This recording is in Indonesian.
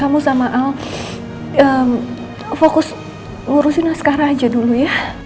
kamu sama al fokus ngurusin naskah aja dulu ya